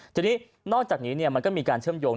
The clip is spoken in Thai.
จริงนอกจากนี้มันก็มีการเชิมโยง